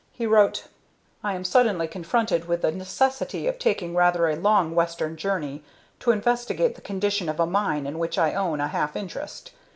He wrote: "I am suddenly confronted with the necessity of taking rather a long Western journey, to investigate the condition of a mine in which I own a half interest.